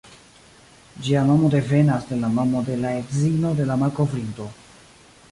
Ĝia nomo devenas de la nomo de la edzino de la malkovrinto.